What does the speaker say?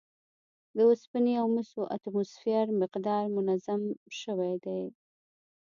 د اوسپنې او مسو اتوموسفیري مقدار منظم زیات شوی